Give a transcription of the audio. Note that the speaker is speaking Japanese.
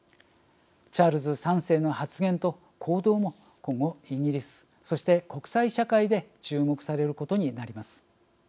チャールズ３世の発言と行動も今後、イギリスそして国際社会で注目されることになります。